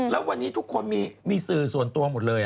แล้ววันนี้ทุกคนมีสื่อส่วนตัวหมดเลย